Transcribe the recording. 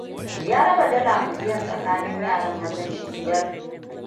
Ya raba dala miliyon tsakanin yaran mazan shi biyar.